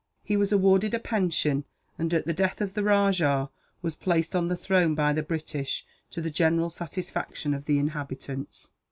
He was awarded a pension and, at the death of the rajah, was placed on the throne by the British, to the general satisfaction of the inhabitants.